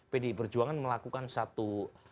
pd perjuangan melakukan satu